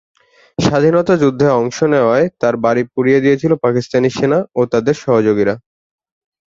স্বাধীনতা যুদ্ধে অংশ নেওয়ায় তার বাড়ি পুড়িয়ে দিয়েছিল পাকিস্তানী সেনা ও তাদের সহযোগীরা।